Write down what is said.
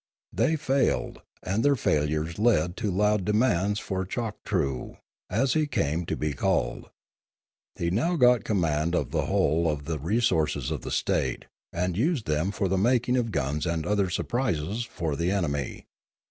They failed, and their failures led to loud demands for Choktroo, as he came to be called. He now got command of the whole of the re sources of the state, and used them for the making of guns and other surprises for the enemy.